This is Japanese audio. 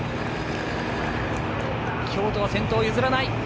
京都は先頭を譲らない。